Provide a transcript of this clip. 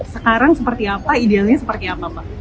sekarang seperti apa idealnya seperti apa pak